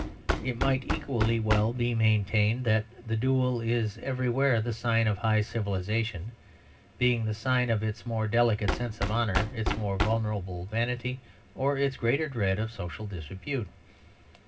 It might equally well be maintained that the duel is everywhere the sign of high civilisation; being the sign of its more delicate sense of honour, its more vulnerable vanity, or its greater dread of social disrepute.